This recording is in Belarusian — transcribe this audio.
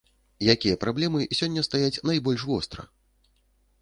Якія праблемы сёння стаяць найбольш востра?